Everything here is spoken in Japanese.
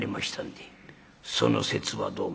その節はどうも」。